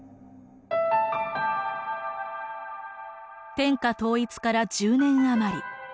天下統一から１０年余り。